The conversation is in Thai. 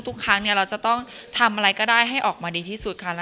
ทุกครั้งเราจะต้องทำอะไรก็ได้ให้ออกมาดีที่สุดค่ะ